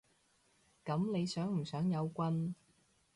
噉你想唔想有棍？